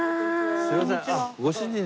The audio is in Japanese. すいません。